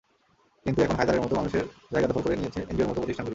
কিন্তু এখন হায়দারের মতো মানুষের জায়গা দখল করে নিয়েছে এনজিওর মতো প্রতিষ্ঠানগুলো।